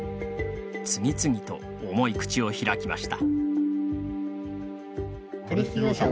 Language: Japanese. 次々と重い口を開きました。